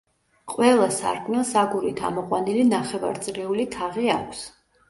ყველა სარკმელს აგურით ამოყვანილი ნახევარწრიული თაღი აქვს.